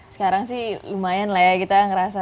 sekarang sih lumayan lah ya kita ngerasa